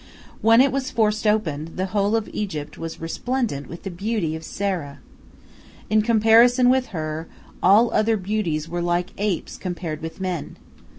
When it was forced open, the whole of Egypt was resplendent with the beauty of Sarah. In comparison with her, all other beauties were like apes compared with men.